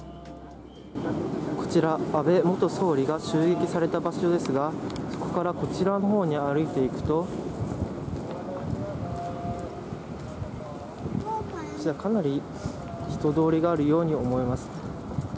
こちら、安倍元総理が襲撃された場所ですがそこからこちらの方に歩いていくとこちら、かなり人通りがあるように思えます。